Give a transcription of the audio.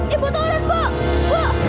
ibu turun bu